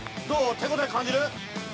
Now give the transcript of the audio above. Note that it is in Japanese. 手応え感じる？